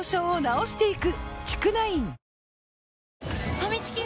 ファミチキが！？